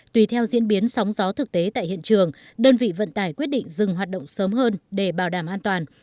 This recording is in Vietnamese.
tùy theo diễn biến sóng gió thực tế tại hiện trường đơn vị vận tải quyết định dừng hoạt động sớm hơn để bảo đảm an toàn